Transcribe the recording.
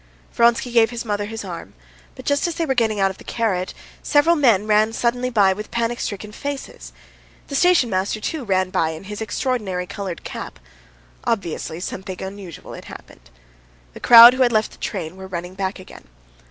Vronsky gave his mother his arm; but just as they were getting out of the carriage several men ran suddenly by with panic stricken faces. The station master, too, ran by in his extraordinary colored cap. Obviously something unusual had happened. The crowd who had left the train were running back again.